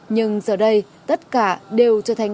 nhưng giờ đây tất cả đều trở thành